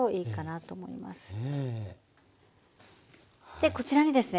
でこちらにですね